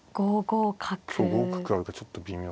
５五角はちょっと微妙。